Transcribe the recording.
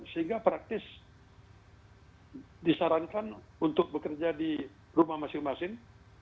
sehingga praktis disarankan untuk bekerja di rumah masing masing